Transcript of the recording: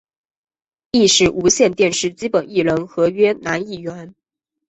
亦是无线电视基本艺人合约男艺员。